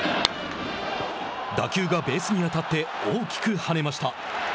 打球がベースに当たって大きくはねました。